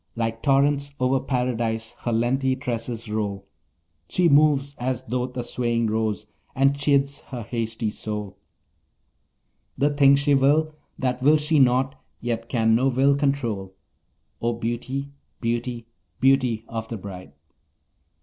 Like torrents over Paradise her lengthy tresses roll: She moves as doth a swaying rose, and chides her hasty soul; The thing she will, that will she not, yet can no will control O beauty, beauty, beauty of the bride!